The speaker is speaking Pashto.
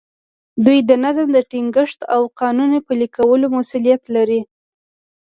دوی د نظم د ټینګښت او قانون پلي کولو مسوولیت لري.